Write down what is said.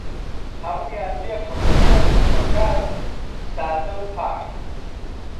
هەموویان بێ فڕوفێڵ و بەکار و سادە و پاکن